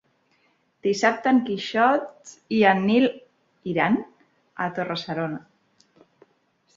Dissabte en Quixot i en Nil iran a Torre-serona.